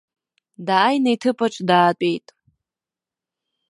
Дааины иҭыԥаҿы даатәеит.